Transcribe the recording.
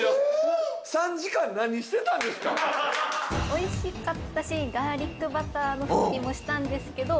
おいしかったしガーリックバターの風味もしたんですけど。